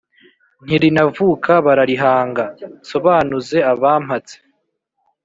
Ntirinavuka bararihanga. Nsobanuze abampatse